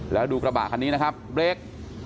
แล้วดูกระบะคันนี้นะครับเบรก